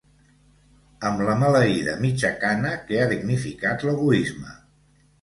Am la maleida mitja-cana que ha dignificat l'egoisme